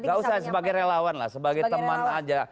gak usah sebagai relawan lah sebagai teman aja